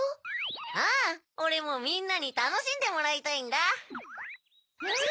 ああおれもみんなにたのしんでもらいたいんだ。うん！